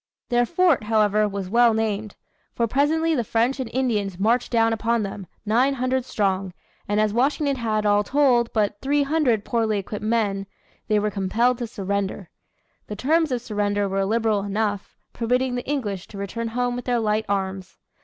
Their fort, however, was well named. For presently the French and Indians marched down upon them, nine hundred strong, and as Washington had, all told, but three hundred poorly equipped men, they were compelled to surrender. The terms of surrender were liberal enough, permitting the English to return home with their light arms.